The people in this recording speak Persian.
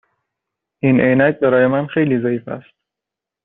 این عینک برای من خیلی ضعیف است.